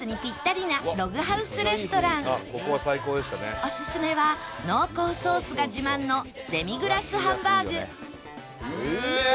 おすすめは濃厚ソースが自慢のデミグラスハンバーグうわ！